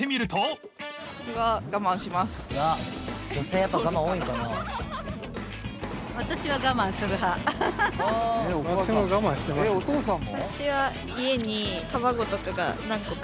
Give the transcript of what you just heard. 「えっお父さんも？」